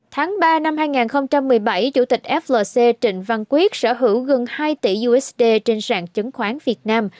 tháng ba năm hai nghìn một mươi bảy chủ tịch flc trịnh văn quyết sở hữu gần hai tỷ usd trên sàn chứng khoán việt nam